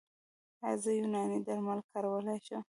ایا زه یوناني درمل کارولی شم؟